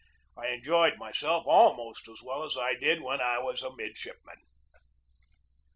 I enjoyed myself almost as well as I did when I was a midshipman.